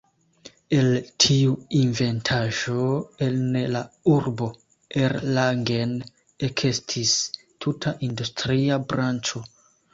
El tiu inventaĵo en la urbo Erlangen ekestis tuta industria branĉo.